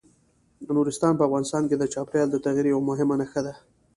نورستان په افغانستان کې د چاپېریال د تغیر یوه مهمه نښه ده.